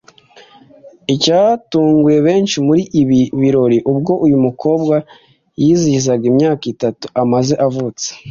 Icyatunguye benshi muri ibi birori ubwo uyu mukobwa yizihiza imyaka itatu amaze avutse